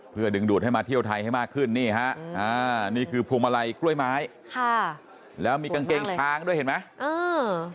เพื่อดึงดูดให้มาเที่ยวไทยให้มากขึ้นนี่ฮะอ่านี่คือพวงมาลัยกล้วยไม้ค่ะแล้วมีกางเกงช้างด้วยเห็นไหมเออ